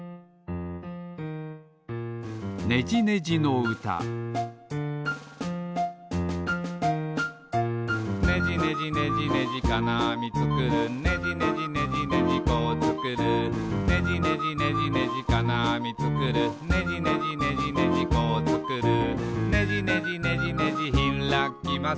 「ねじねじねじねじかなあみつくる」「ねじねじねじねじこうつくる」「ねじねじねじねじかなあみつくる」「ねじねじねじねじこうつくる」「ねじねじねじねじひらきます」